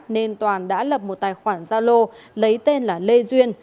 nên toàn đã lập một tài khoản gia lô lấy tên là lê duyên